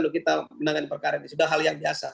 untuk kita menangkan perkara ini sudah hal yang biasa